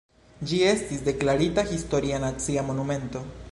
Ĝi estis deklarita Historia Nacia Monumento.